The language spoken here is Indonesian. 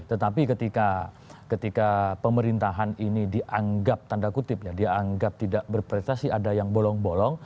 tetapi ketika pemerintahan ini dianggap tanda kutip ya dianggap tidak berprestasi ada yang bolong bolong